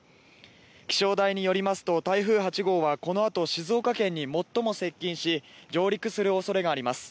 気象台によりますと台風８号はこのあと静岡県に最も接近し上陸する恐れがあります。